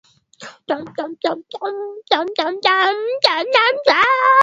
migogoro ya kimataifa ya kutumia silaha siyo mizuri